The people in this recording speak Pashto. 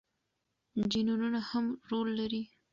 جینونه هم رول لري.